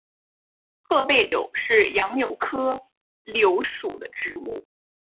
褐背柳是杨柳科柳属的植物。